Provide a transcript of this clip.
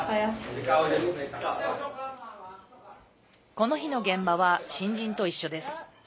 この日の現場は新人と一緒です。